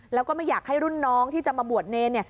แล้วก็ไม่อยากให้รุ่นน้องที่จะมาบวชเนร